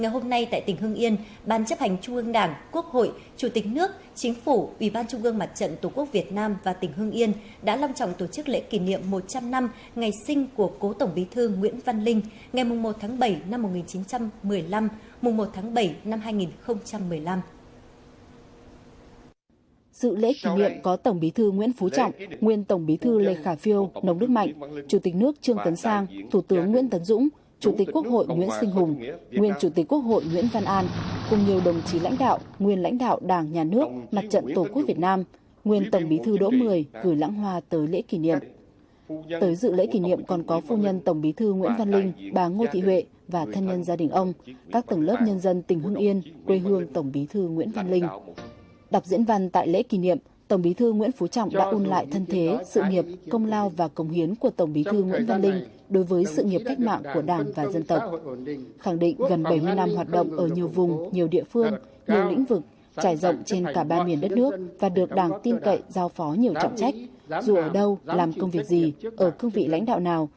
hôm nay cả đất nước long trọng tổ chức kỷ niệm một trăm linh năm ngày sinh của cố tổng bí thư nguyễn văn linh nhà lãnh đạo kiên định có uy tín lớn suốt đời chiến đấu hy sinh vì lý tưởng độc lập dân tộc và chủ nghĩa xã hội vì hạnh phúc của nhân dân